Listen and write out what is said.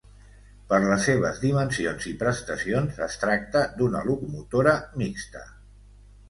Per les seves dimensions i prestacions, es tracta d'una locomotora mixta.